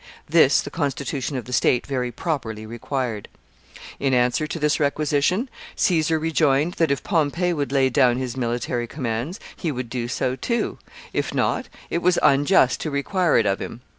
This the constitution of the state very properly required. In answer to this requisition, Caesar rejoined, that, if Pompey would lay down his military commands, he would do so too; if not, it was unjust to require it of him.